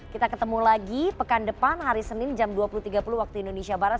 kita ketemu lagi pekan depan hari senin jam dua puluh tiga puluh waktu indonesia barat